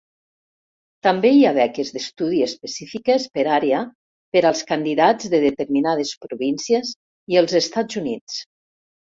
També hi ha beques d'estudi específiques per àrea per als candidats de determinades províncies i els Estats Units.